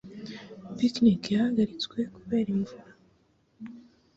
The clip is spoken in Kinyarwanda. Picnic yahagaritswe kubera imvura.